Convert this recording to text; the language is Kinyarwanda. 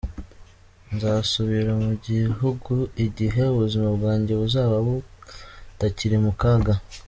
Nzasubira mu gihugu igihe ubuzima bwanjye buzaba butakiri mu kaga….